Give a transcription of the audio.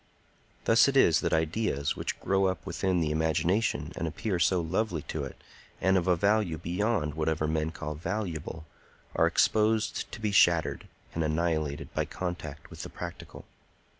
Thus it is that ideas, which grow up within the imagination and appear so lovely to it and of a value beyond whatever men call valuable, are exposed to be shattered and annihilated by contact with the practical.